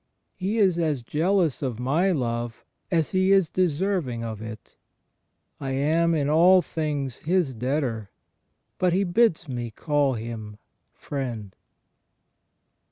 He is as jealous of my love as He is deserving of it. I am in all things His debtor, but He bids me caU Him Friend.